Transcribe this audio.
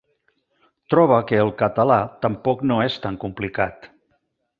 Troba que el català tampoc no és tan complicat.